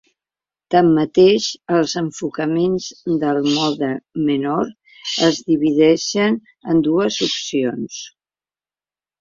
Tanmateix, els enfocaments del mode menor es divideixen en dues opcions.